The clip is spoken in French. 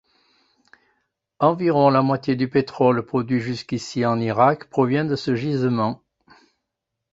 Environ la moitié du pétrole produit jusqu'ici en Irak provient de ce gisement.